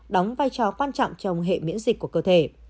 đóng vai trò quan trọng trong hệ miễn dịch của cơ thể